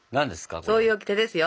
そういうオキテですよ。